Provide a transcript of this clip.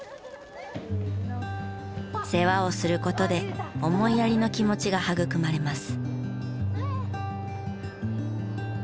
世話をする事で思いやりの気持ちが育まれます。